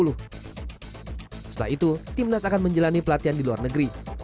setelah itu timnas akan menjalani pelatihan di luar negeri